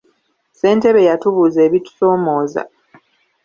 Ssentebe yatubuuza ebitusoomooza.